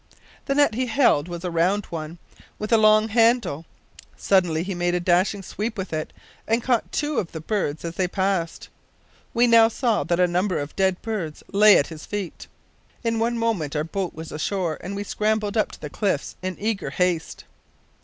The net he held was a round one, with a long handle. Suddenly he made a dashing sweep with it and caught two of the birds as they passed! We now saw that a number of dead birds lay at his feet. In one moment our boat was ashore and we scrambled up the cliffs in eager haste.